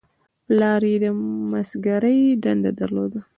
پلار یې د مسګرۍ دنده درلوده.